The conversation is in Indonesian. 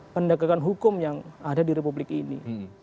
penegakan hukum yang ada di republik ini